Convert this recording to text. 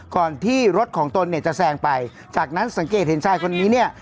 ก่อนที่รถของตนเนี่ยจะแซงไปจากนั้นสังเกตเห็นชายคนนี้เนี่ย